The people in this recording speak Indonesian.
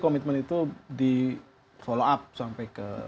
komitmen itu di follow up sampai ke